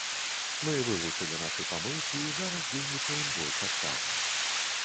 Мы вывучылі нашы памылкі і зараз дзейнічаем больш адказна.